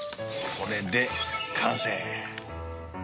これで完成。